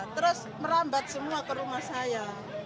terus merambat semua ke rumah saya